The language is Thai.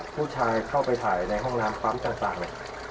ผู้ชายเข้าไปถ่ายในห้องน้ำซ้ำจังเลย